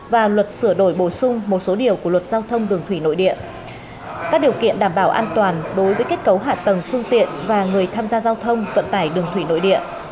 và luật sửa đổi bổ sung một số điều của luật giao thông đường thủy nội địa các điều kiện đảm bảo an toàn đối với kết cấu hạ tầng phương tiện và người tham gia giao thông vận tải đường thủy nội địa